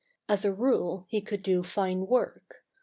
As a rule he could do fine work.